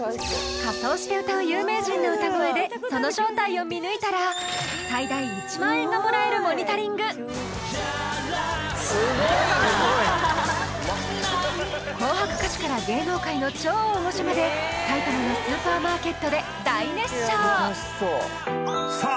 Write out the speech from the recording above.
仮装して歌う有名人の歌声でその正体を見抜いたら最大１万円がもらえるモニタリング紅白歌手から芸能界の超大御所まで埼玉のスーパーマーケットで大熱唱さあ